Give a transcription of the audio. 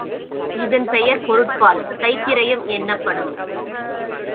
இதன் பெயர் பொருட்பால், தைத்திரயம் என்னப்படும்.